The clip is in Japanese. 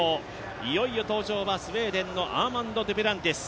いよいよ登場はスウェーデンのアーマンド・デュプランティス。